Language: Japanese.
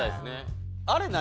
あれ何？